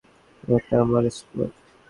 ওটা আমার স্কোয়াড।